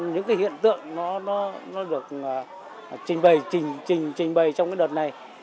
những cái hiện tượng nó được trình bày trong cái đợt này